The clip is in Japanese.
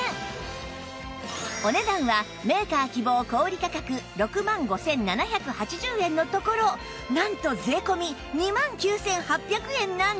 お値段はメーカー希望小売価格６万５７８０円のところなんと税込２万９８００円なんですが